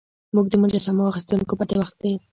موږ د مجسمو اخیستونکو پتې واخیستې.